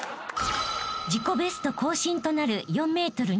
［自己ベスト更新となる４ｍ２０］